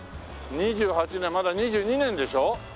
２８年まだ２２年でしょ？